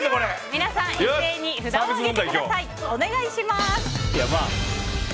皆さん、一斉に札を上げてください。